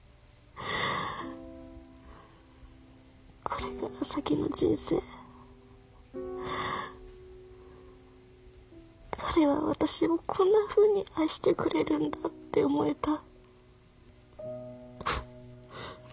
これから先の人生彼は私をこんなふうに愛してくれるんだって思えた。